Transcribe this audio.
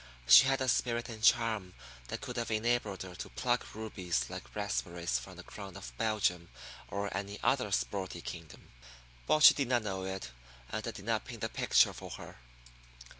She had a spirit and charm that could have enabled her to pluck rubies like raspberries from the crown of Belgium or any other sporty kingdom, but she did not know it, and I did not paint the picture for her.